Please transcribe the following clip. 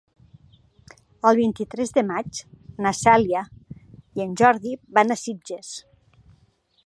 El vint-i-tres de maig na Cèlia i en Jordi van a Sitges.